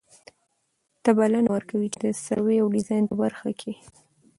ته بلنه ور کوي چي د سروې او ډيزاين په برخه کي